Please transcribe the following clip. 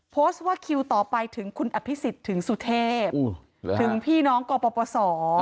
โพสต์ว่าคิวต่อไปถึงคุณอภิษฐิหรือถี่น้องกปศ